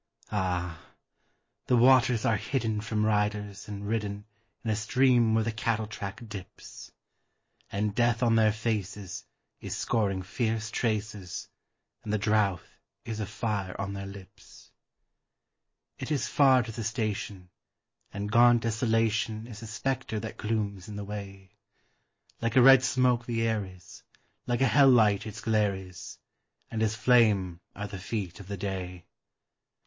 Ah! the waters are hidden from riders and ridden In a stream where the cattle track dips; And Death on their faces is scoring fierce traces, And the drouth is a fire on their lips. It is far to the station, and gaunt Desolation Is a spectre that glooms in the way; Like a red smoke the air is, like a hell light its glare is, And as flame are the feet of the day.